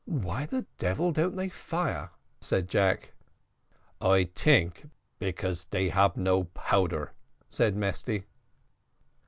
"Why the devil don't they fire?" said Jack. "I tink because they no ab powder," said Mesty.